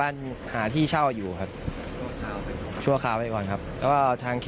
ไม่รู้ว่าคุยกันอะไรอย่าง